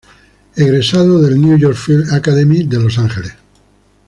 Egresado de New York Film Academy de Los Ángeles.